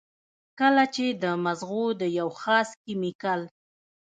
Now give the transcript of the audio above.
کله چې د مزغو د يو خاص کېميکل